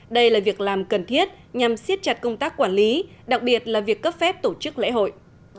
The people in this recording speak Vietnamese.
đây là việc làm cần thiết nhằm siết chặt công tác quản lý đặc biệt là việc cấp phép tổ chức lễ hội